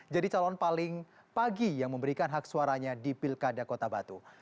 jadi calon paling pagi yang memberikan hak suaranya di pilkada kota batu